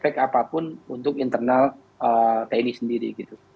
tadi tidak ada efek apapun untuk internal tni sendiri